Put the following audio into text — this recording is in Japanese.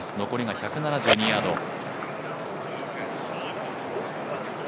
残りが１７２ヤード。